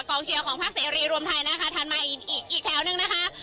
เชียร์ของภาคเสรีรวมไทยนะคะทันมาอีกอีกแถวนึงนะคะ